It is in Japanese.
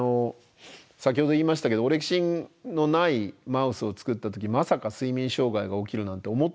先ほど言いましたけどオレキシンのないマウスを作った時まさか睡眠障害が起きるなんて思ってもいなかったんですね。